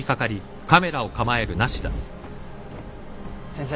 先生